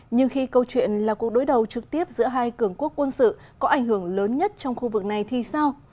nhưng khi câu chuyện là cuộc đối đầu trực tiếp giữa hai cường quốc quân sự có ảnh hưởng lớn nhất trong khu vực này thì sao